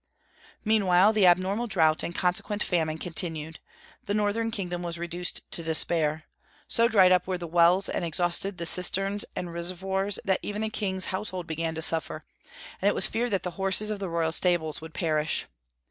Meanwhile the abnormal drought and consequent famine continued. The northern kingdom was reduced to despair. So dried up were the wells and exhausted the cisterns and reservoirs that even the king's household began to suffer, and it was feared that the horses of the royal stables would perish.